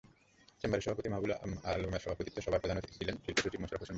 চেম্বারের সভাপতি মাহবুবুল আলমের সভাপতিত্বে সভায় প্রধান অতিথি ছিলেন শিল্পসচিব মোশাররফ হোসেন ভূঁইয়া।